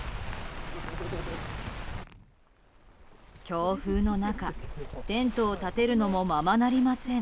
強風の中、テントを立てるのもままなりません。